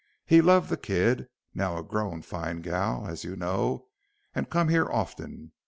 He loved the kid, now a growed, fine gal, as you know, and come here often.